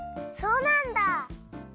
そうなんだ！